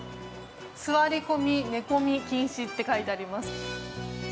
座り込み、寝込み禁止と書いてありますね。